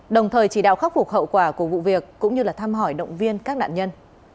đồng thời chỉ đạo khắc phục hậu quả của vụ việc cũng như là thăm hỏi động viên các nạn nhân